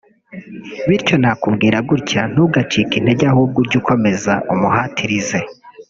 bityo nakubwira gutya ntugacike intege ahubwo ujye ukomeza umuhatirize